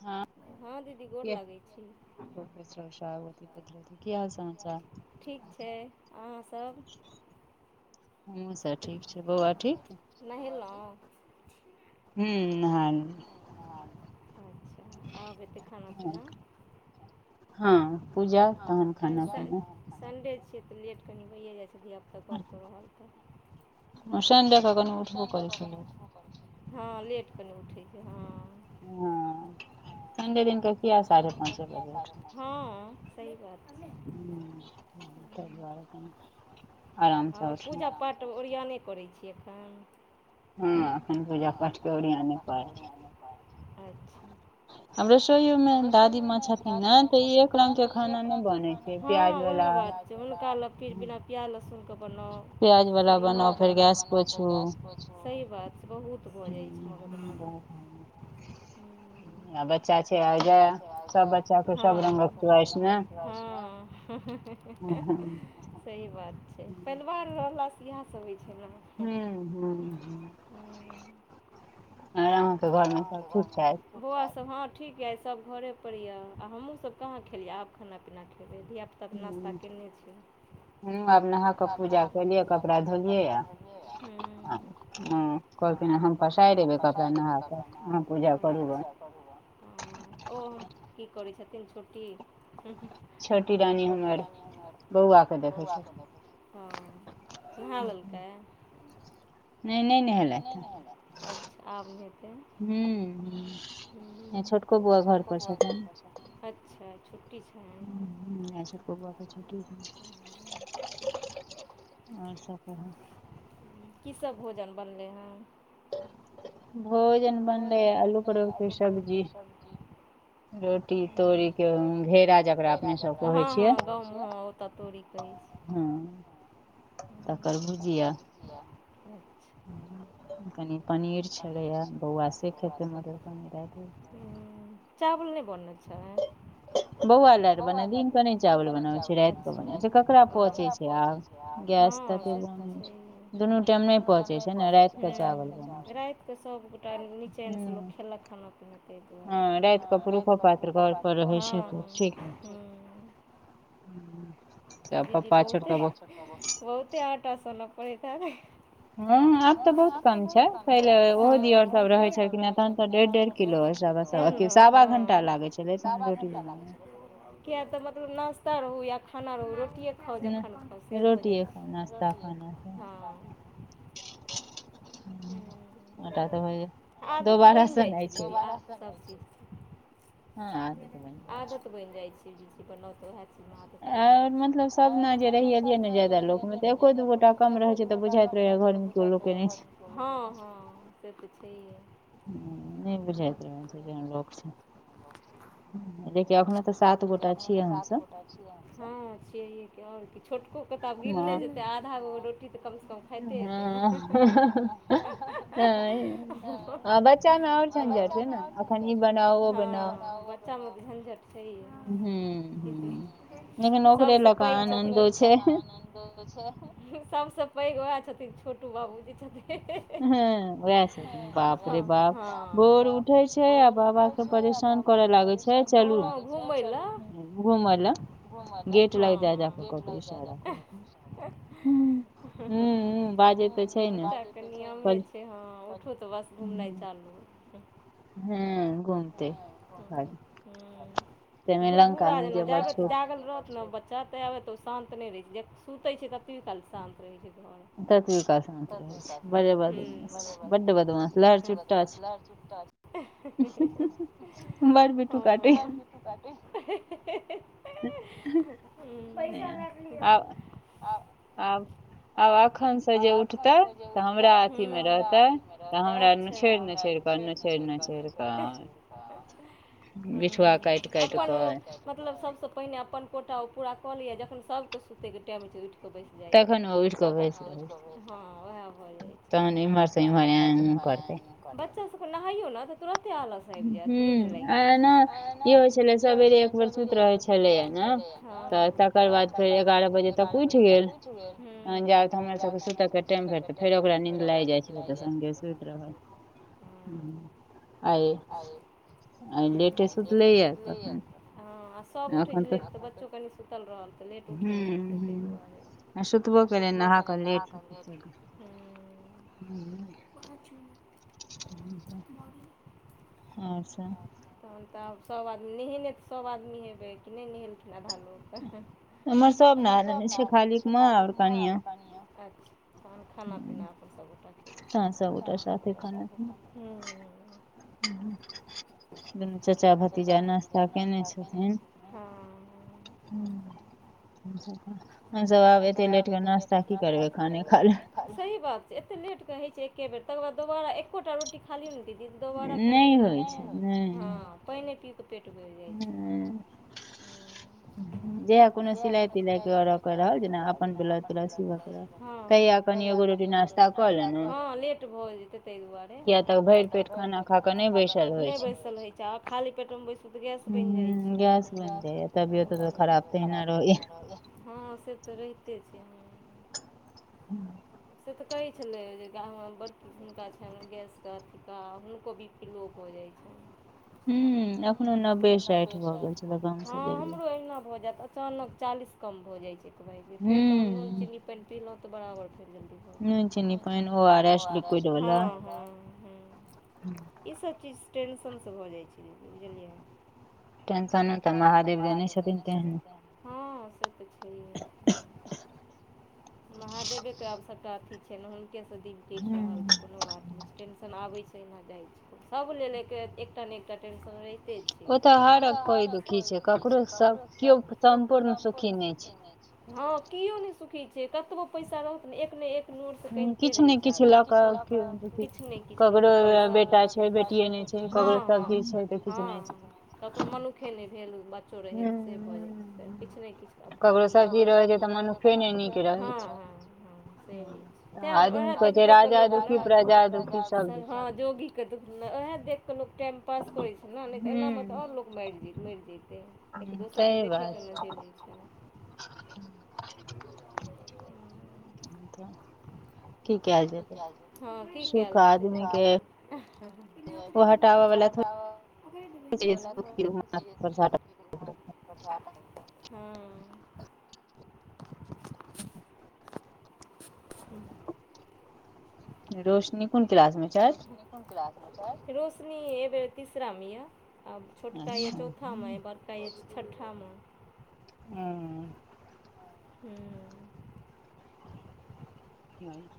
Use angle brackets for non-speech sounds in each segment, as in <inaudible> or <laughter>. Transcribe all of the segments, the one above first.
हँ हँ दीदी गोर लगै छी <inaudible> दिक्कत रहते की हाल समाचार <inaudible> हमहू सब ठीक छै बौआ ठीक नहेलो हू नहा लेलो <inaudible> अच्छा आब एतै खाना पीना हँ पूजा तहन खाना पीना सन्डे छियै तऽ लेट कनि बहिए जाइ छै धिय पु त करतो रहल तऽ <inaudible> ओ सन्डे क कनि उठबो हँ लेट कनि उठै छै हँ हँ सन्डे दिन क किया सा <inaudible> हँ सही बात छै <inaudible> ओर पूजा पाठ ओरियान करै छी एखन <inaudible> अच्छा आ बैसाइओ न दादीमा छथिने तऽ ई एक रंगके खाना हँ उएह बात छै हुनका लग फेर बिना प्यज लहसुन <inaudible> फेर इमहर बनाऊ <inaudible> सही बात छै बहुत भऽ जाइ छै मगज मारी <inaudible> बच्चा छै आब जा सब बच्चा क सब रंगगक चुआइस ने हँ <unintelligible> सही बात छै एतबार रहलासँ इएह सब होइ छै ने <inaudible> हूँ हूँ हँ आरअहाँके घरमे सब ठीक छै बौआ सब हँ ठीक यऽ सब घरे पर यऽ आ हमहुँ सब कहाँ खेलियै आब खाना पीना खेबै धिया पुत तब नश्ता केने छै हूँ आब नहा कऽ पूजा केलियै कपड़ा धोलियैए कहलखिन हम पसार ऐबे कपड़ा नहााकऽ अहाँ पूजा करूग <inaudible> हँ ओ हम की करै छथिन छुट्टी <inaudible> छोटी रानी हमर बउआ कऽ दखे छथिन अ <inaudible> नहा लेलकै नहि नहि नऽ हेलथ अच्छा आब नहेतेन हू आय छोटको बऊआ घर पर छथिन अच्छा छुट्टी छैन हू आय छोटको बऊआ कऽ छुट्टी छैन आओर सब कहू कीसभ भोजन बनलै हँ भोजन बनले हँ आलू परोर के सब्जी <unintelligible> रोटी कुट्टी तोरीके घेरा जकरा अपने सब कहै छियै हँ तकर भुजिया कनी पनीर छलैया बौआ से खेते मटर पनीर आ हू चावल नहि बनल छैय बऊआ लऽ बने दिन कऽ नहि चावल बनबे छै ककरा पचे छै <unintelligible> राइत कऽ सबगोटा नीकसँ लोक खेलक खाना पीना ते दुआरे राईत कऽ ओकरो <unintelligible> दीदी बहुत बहुते आटा साईने परेत हायत हँआटा तऽ बहुत कम छै मोदी आरसभ रहैत छथिन डढ़ डेढ़ किलो ताय नऽ हं सबा घण्टा लाग छै किए तऽ मतलब नाश्ता रहू या खाना रहु रो रोटियए खाउ जखन खाउ से भऽ जाइ छै हँ आदत बनि जाइ छै सभचीज आदत बनि जाइत छै जे बना तऽ उएह <unintelligible> आमतलब सब ने जे रहिलिये ने जादा ल लोक मे त एको दू गोटा कम रहे छै ते बुझाइत रहेा घर मे कोई लोके नेय छैय <unintelligible> हँ हँ से तऽ छैहे नहि बुझात रहे छैय लोक छै देखि एखनो तऽ सात गोटा छियै हमसब हँ छिय कि ओर की छोटकोके तऽ आब गिरले जेतै आधा गोो रोटी तऽ कमसँ कम खाइते हेतै ने बच्चामे आओर झंझट ने अखन बनाउ ओ बनाउ बच्चा मऽ तऽ झंझट सहिये सबस पैघ छथि आन सबस पैघ वएह छथिन छोटू बाबूजी छथिन हँ ओह छथिन बाप रे बाप भोर उठै छै आ बाबा परेशान करऽ लागै छै चलू घूमय लए गेट लाग जा जा कऽ कहतो इशारा हू बाजे तऽ छै ने कलियामे छै हँ उठू तऽ बस घुमनाइ चालू हँ घुमते खाली हूँ घूुर घूरा आ जेना जाबै तऽ जागल रहत ने बचत ते आबे त ओ शान्त नहि रहे छै सुते छै ततबी काल शान्त रहे छै हू <unintelligible> ह बड बिटू काटे छैय <unintelligible> <inaudible> पैसा ललअ <unintelligible> आब आब अखन से जे उठते तऽ हमरा अथी मे रहते तऽ हमरा नछोड़ि नछोड़ कऽ कर छोड़ना छोड़िके बिटुआ काटि काटििके मतलब सबस पहिने अपन कोटा ओ पूरा कऽ लेया जखन सब के सुते के टाइम छै उठि केऽ बैस तखन भ जा तह इमहर सेह बच्चा सभकेँ नहायो नऽ तऽ तुरते आलस आबि जायत नीन्द लागि जायत आ ने ई होइ छलै सबेरे एक बेर सुति रहै छलै तकर बाद फेर एगारह बजे तक उईठ गेल तहन गेल हमर सबकेीत टाइम फेर ओकरा न संगे सुत रहल आ <unintelligible> आय आय लेटे सुध लै आ त सभ उठै छै लेट तऽ बच्चो कनि सुतल रहल तऽ लेट उठलै हेतै ताहि दुआरे आ सुतबऽ कने नहा कऽ लेट बाजू ब और सब तहन तऽ आब सभ आदमी नहेने तऽ सभ आदमी हेबै कि नहि नहेलखिनना आधा लोक एमहर सब न छै खाली माँ आओर कनियाँ तहन खाना पीना अपन सभगोटा खेलगो ह दुनू चाचा भतीजा नाास्ता केने छथिन हँ <unintelligible> <unintelligible> हमसभ आब एते लेट के नाास्ता की करबै खाने खा ले सही बात छै एतेक लेट कहैत छै एके बेर तकर बाद दोबारा एकोटा रोटी खालियौ नऽ दीदी दोबारा खाइके हँ पानि पी कऽ पेट भरिि जाइ <unintelligible> छै जेहिया कोनो सिलाई तिलाई के कर के रहल जेना अपन ब्लाउज त्लाउज सीबय के रहल कहिय य को ह लेट भऽ जेतै ताहि दुे तब भरि पेट खाना खााकऽ नहि नहि बैसल रहइ छै आब खाली पेटमे बैसू तऽ गैस बनि जाइ छै <unintelligible> हँ से तऽ रहिते छी <unintelligible> से तऽ कहैत छलै जे गाममे बड़ हुनका छनि गैसके अथेा हुनको बी पी लो भऽ जाइत छनि हू एखनो नब्बे सााठ भऽ गेल छल गाँव सँ जे एलिये तेहना भय जाईत त अनलहुँ चालीस कम भऽ जाइ छै क फेर तऽ अनलहुँ चीनी पानि पिलहुँ तऽ बराबर फेर जल्दी <unintelligible> इसभ चीज टेंशनसँ भऽ जाइ छै दीदी बुझलियै <unintelligible> हँ से तऽ छैहे महादेवेके आब सबटा अथी छनि हुनकेसँ दिन तट रहल छै कोनो बात नहि टेन्शन आबै छै अना जाइ छै सभ लेल एक एकटा ने एकटा टेंशन रहिते छै ओताऽ हर कोई दुखी छै ककरो केओ सम्पूर्ण सुखी नहि छै <unintelligible> हँ केओ नहि सुखी छै कतबो पैसा रहत ने एक नहि एक ो त कनिते रहै छै किछु ने किछु ल के परेशान <unintelligible> हँ हँ हँ हँ ककरो मनु्खे नहि भेल ओ बच्चो रहै से भऽ जाइत त किछु ने किछु कमी रही रहै तऽ मनुे नहि <unintelligible> हँ से <unintelligible> तै उएह देख देख लोक ने हँ जोगतएह देख <unintelligible> तऽ लोक टाइम पास करैत छल ने नहि तऽ एनामे तऽ आओर लोक मरि मरि जैतै एक दोसरकेँ देखयके नऽ जलै छै अ तऽ <unintelligible> हँ कि काइल जेते <unintelligible> <unintelligible> <unintelligible> <unintelligible> रोशनी कोन क्लास मे छथि रोशनी एहि बेर तीसरा मे यऽ आ छोटका य चौथा में य बड़क बड़का य छढा मा <unintelligible> हू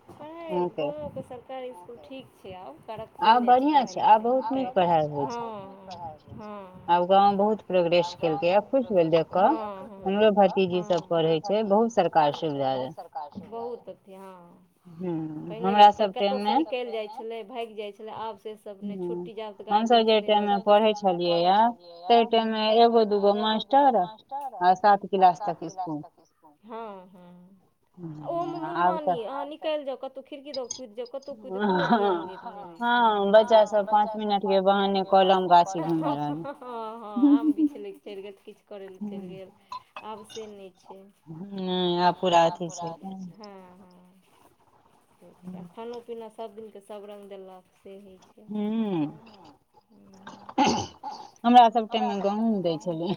पढ़ाइ गाँकके सरकारी स्कुल ठीक छैय आब करख देलने छै पढ़ाइ लिखमे हँ हँ <unintelligible> आब गाँव बहुत प्रोग्रेस क देख क हमरो भतीजी सब पढ़ै छै बहुत सरकार छै बहुत अथी ह पहिने कतयसँ निकलि जाइ छलै भागि जाइ छलै आब सेसभ नहि छुट्टी जायब तऽ गार्जियन <unintelligible> पढ़े छलिय य ताहि टाइम मे एगो दूगो मास्टर आ सात क्लास तक स्कुल <inaudible> ओमे मुनमानी अ निकालि जाउ कतौ खिड़की द कुद जा कतहु कोनो ध्यान लख बच्चा सब पाँच मिनट बहाने कलम गाछी मे हँ हँ आम बिछ ले के चलियत किछु करै लए चलि गेल आब से नहि छै ह आब पूरा अभि छै आ खानो पीना सभ दिनके सभ रङ्ग देलक से होइ छै हू <unintelligible> हमरा सभभ टाइममे गहुूम दै छलै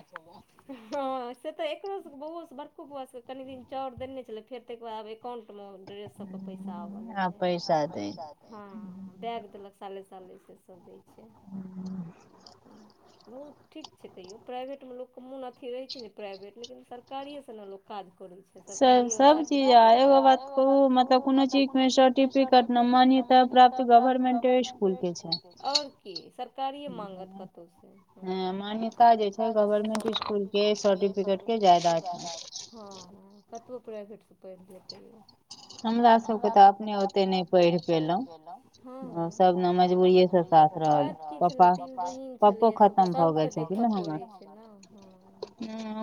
हँ से तऽ एकरो सब ब बड़को बौआ सब के कनी दिन चाउर देने छ छलै फेर त बादब एककाउंट मे पैसा आबऽ लगले ह पैसा हँ बैग देलक साले साले से सभ दै छै <unintelligible> बहुत ठीक छै तैयो प्राइभेटमे लोकके मोन अथी रहै छै ने प्राइवेट लेकिन सरकारिएसँ ने लोक काज करै छै सरकारी <unintelligible> आयग बात कहू मतलब कोनो चीज मे सर्टिफिकेट मान्यता प्राप्त गवर्मेंट स्कुल के आऔर की सरकारीे मागत कतहु से्यता छैट े जा ह कतब प्राइवेट से पढ़ लिय तबो हमरा सभके तऽ अपने ओते नहि पढ़ि पेलहुँ सब ने मजबूएसँ की छल तीन बहिन छलैय सबके देखय पड़ै छै ने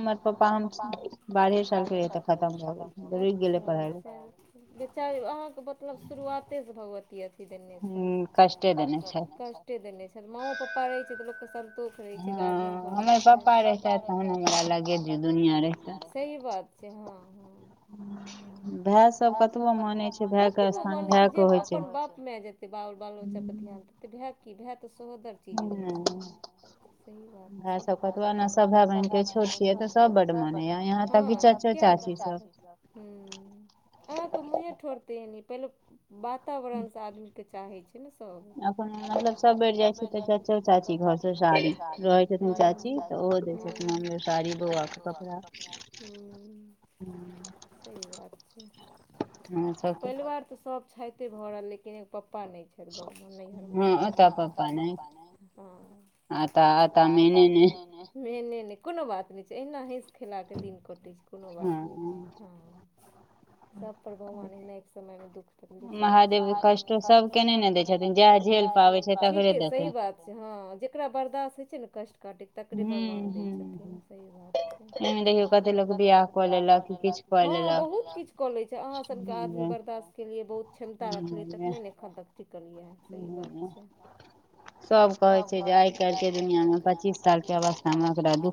हमर प्पा हम बाजयछलखिंह सालके तऽ खतम बेचार अहाँके मतलब शुरुआतेसँ भगवती अथी देने छथिष् देने छल मामओ पप्पा रहै छै तऽ लोकके संतोष ज सी बात <inaudible> से हँ हँ <unintelligible> भाय सब कतहु कतबो मानै छै जे अपन बाप माय जेतै बाल बाल बच्च परर ध्यान देतै छै भाय तऽ सहोदर चीज भेलै हँ ात सब कहब सभ भाय बहिे छोट छियै तऽ सब ब मन ची <inaudible> हू अहाँके मुँहे ठोड़तै ने पहिले वातावरणसँ आदमी त चाहे छै ने सब अपन मतलब सब बेर जाइ छै तऽ चाचो चाची घर से साड़ी चाची साड़ी ब कड़ा हू <inaudible> सह बात छै <inaudible> परिवार तऽ सभ छथिे भऽ रहल लेकिन एगो पप्पा नहि छथि फेर गाँवमे नैहरमे स ह <unintelligible> आ तऽ आ तऽ मेने ने <unintelligible> मे नहि नहि कोनो बात नहि छै अहिनाहीसि खेलाके दिन कटै छै कोनो बात नहि छै सबपरघमणड मानहिने के समय मे दुःख महादेव कष्टो सब केने ने दै छथिन जय झ प सी बात हँ जकरा बर्दाश्त होइ छै ने कष्ट तकड़े भगवान दै छथिन सही बात छै कयो कते लोक बिियह कऽ लेलक हँ बहुत किछु कल अहाँ सभके आदमी बर्दाश्त केलियैहुत क्षमता रखियै तखने ने एखन तकछियै टिकलियै सही बात छै सब बस से जायकहै छै जे आइ काल दुनिियामे पच्चीस सालके अवस्थामे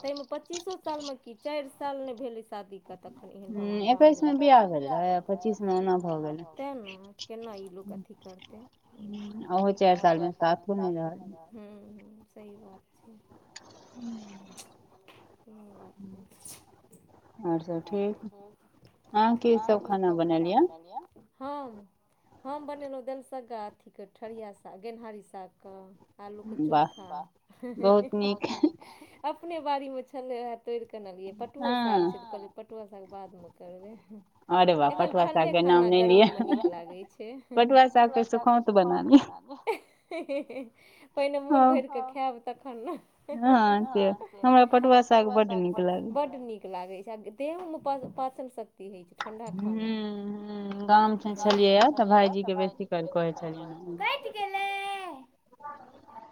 ताहिमे पच्चीसो सालमे की चारि साल नहि भेलै शादी तखन एहन भगवान डांगदेलखिनह पच्चीस महिना भगेलै केना ई लोग अथी करते चार साल मे साफ हू ह सहि बात हँ <inaudible> ह <inaudible> अच्छा ठीक अहा। कि सब खाना बनेलियै हम बनेलहुँ देलसग्गा अथीके ठरिया साग गेनहारी सागके आलू के चोखा अपने बाड़ी मे छलै हन तोड़ कऽनलियै पटुओ साग छै कहल पटुआ साग बादमे करबै एखन ठंडे खाना गर्मी में नीक लागे छै पटुआसाग सेखौत बनत पहिने मोन भरि कऽ खायब तखन ने से हमरा पटुआ साग बड बड नीक लागै छै आ देहोमे पाचन शक्ति होइ छै ठण्डा खाना गाम छलियै तऽ भईजी के बेसी कह कट गेल